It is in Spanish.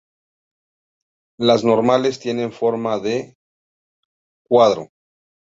Las normales tienen forma de ם.